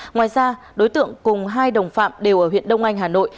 ngoài ra đối tượng cùng hai đồng phạm đều ở huyện đông anh hà nội